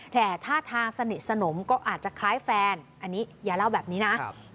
แต่ท่าทางสนิทสนมก็อาจจะคล้ายแฟนอันนี้อย่าเล่าแบบนี้นะ